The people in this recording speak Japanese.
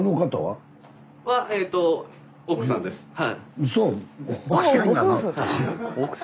はい。